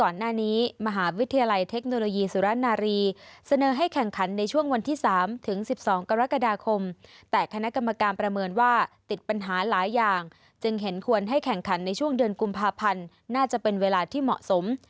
และควรให้แข่งขันในช่วงเดือนกุมภาพันธ์น่าจะเป็นเวลาที่เหมาะสม